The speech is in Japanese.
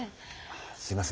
すいません。